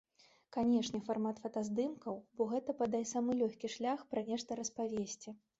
Канечне, шмат фотаздымкаў, бо гэта, бадай, самы лёгкі шлях пра нешта распавесці.